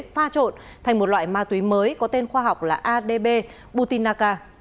pha trộn thành một loại ma túy mới có tên khoa học là adb butinaka